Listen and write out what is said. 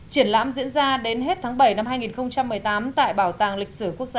triển lãm diễn ra đến hết tháng bảy năm hai nghìn một mươi tám tại bảo tàng lịch sử quốc gia